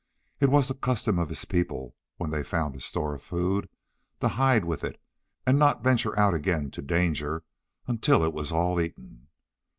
It was the custom of his people, when they found a store of food, to hide with it and not venture out again to danger until it was all eaten.